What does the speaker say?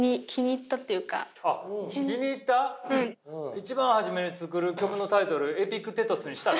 一番初めに作る曲のタイトル「エピクテトス」にしたら？